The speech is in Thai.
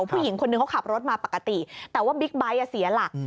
ผู้หญิงคนนึงเขาขับรถมาปกติแต่ว่าบิ๊กไบท์เสียหลัก